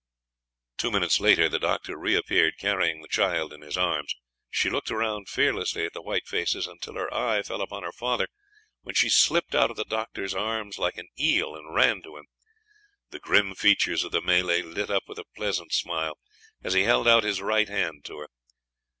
Two minutes later the doctor reappeared, carrying the child in his arms. She looked round fearlessly at the white faces until her eye fell upon her father, when she slipped out of the doctor's arms like an eel and ran to him. The grim features of the Malay lit up with a pleasant smile as he held out his right hand to her.